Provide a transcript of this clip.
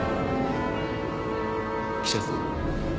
記者さん。